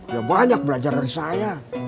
ya banyak belajar dari saya